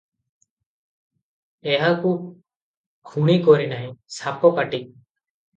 ଏହାକୁ ଖୁଣୀ କରିନାହିଁ, ସାପକାଟି ।"